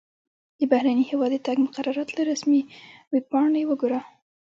د بهرني هیواد د تګ مقررات له رسمي ویبپاڼې وګوره.